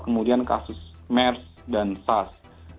kemudian kasus mers dan sas